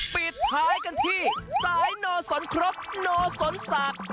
ปิดท้ายกันที่สายโนสนครกโนสนศักดิ์